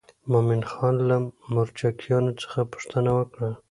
مومن خان له مرکچیانو څخه پوښتنه وکړه.